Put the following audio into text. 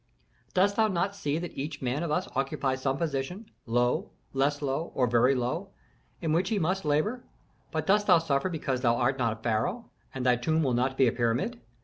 "Dost thou not see that each man of us occupies some position, low, less low, or very low, in which he must labor? But dost thou suffer because thou art not pharaoh, and thy tomb will not be a pyramid?